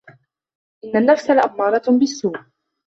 إن النفس لأمارة بالسوء